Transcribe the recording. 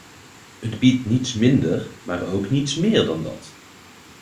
Het biedt niets minder, maar ook niets meer dan dat.